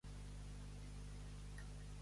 Soltar la boixa.